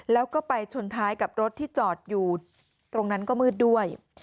แล้วก็ไปชนท้ายกับรถที่จอดอยู่ตรงนั้นก็มืดด้วย